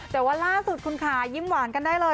แต่ว่าล่าสุดคุณค่ะยิ้มหวานกันได้เลย